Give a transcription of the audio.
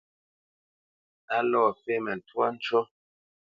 A lɔ fémə ntwá ncú.